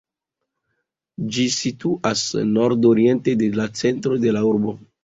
Ĝi situas nordoriente de la centro de la urbo.